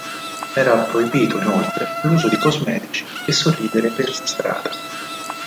Era proibito inoltre l'uso di cosmetici e sorridere per strada.